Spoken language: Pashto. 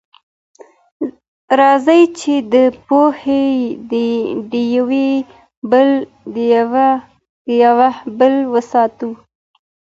راځئ چي د پوهي ډيوه بل وساتو.